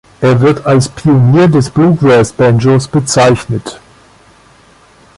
Er wird als Pionier des Bluegrass-Banjos bezeichnet.